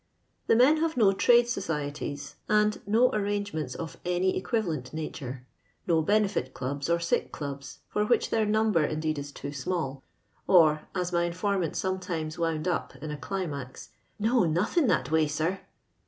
The men have no trade societies, and no arrangements of any equivalent nature; no benefit clubs or sick dubs, for which their number, indeed, is too small; or, as my in formant sometimes wound up in a climax, No, nothing that way, sir."